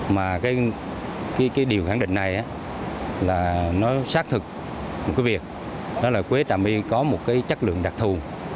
mà điều khẳng định này xác thực việc quế trả my có một chất lượng đặc thù